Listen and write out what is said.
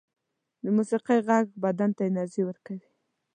د موسيقۍ غږ بدن ته انرژی ورکوي